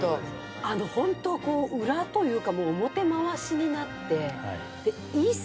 ホント裏というか表回しになって。